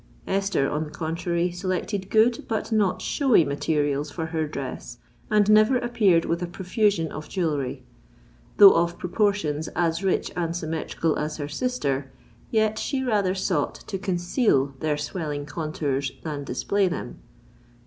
Esther, on the contrary, selected good, but not showy materials for her dress, and never appeared with a profusion of jewellery. Though of proportions as rich and symmetrical as her sister, yet she rather sought to conceal their swelling contours than display them.